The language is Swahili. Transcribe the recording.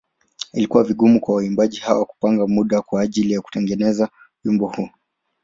Ilikuwa vigumu kwa waimbaji hawa kupanga muda kwa ajili ya kutengeneza wimbo huu.